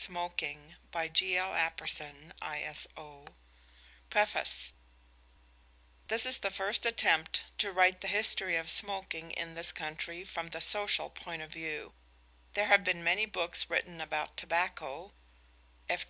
B. GOOD FRIENDS AND GOOD SMOKERS BOTH PREFACE This is the first attempt to write the history of smoking in this country from the social point of view. There have been many books written about tobacco F.